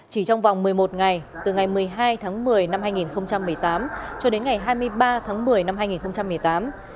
chỉ trong vòng một mươi một ngày từ ngày một mươi hai tháng một mươi năm hai nghìn một mươi tám cho đến ngày hai mươi ba tháng một mươi năm hai nghìn một mươi tám